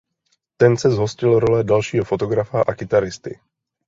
Ten se zhostil role dalšího fotografa a kytaristy.